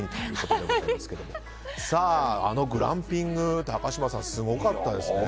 あのグランピング高嶋さん、すごかったですね。